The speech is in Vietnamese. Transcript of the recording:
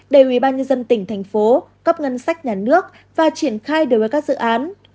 để ubnd tỉnh thành phố cấp ngân sách nhà nước và triển khai đối với các dự án